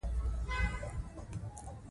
تاریخي آثار دا نقش تایید کړی دی.